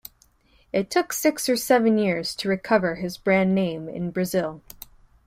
It took six or seven years to recover his brand name in Brazil.